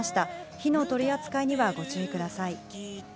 火の取り扱いにはご注意ください。